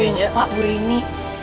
gimana keadaan nombor ini